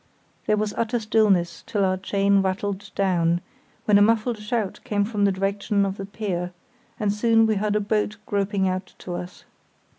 There was utter stillness till our chain rattled down, when a muffled shout came from the direction of the pier, and soon we heard a boat groping out to us.